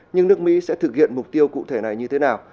nhưng nước mỹ sẽ thực hiện mục tiêu cụ thể này như thế nào